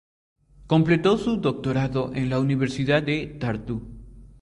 Completó su doctorado en la Universidad de Tartu.